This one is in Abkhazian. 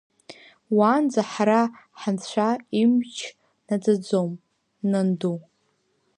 Уанӡа ҳара ҳанцәа имч наӡаӡом, нанду!